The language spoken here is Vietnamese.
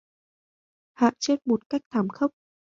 Hạ Chết một cách thảm khốc